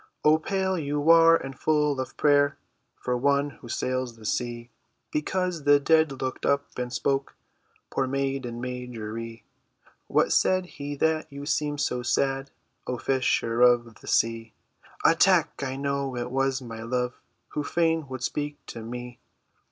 "Oh, pale you are, and full of prayer For one who sails the sea." "Because the dead looked up and spoke, Poor maiden Marjorie." "What said he, that you seem so sad, O fisher of the sea? (Alack! I know it was my love, Who fain would speak to me!)"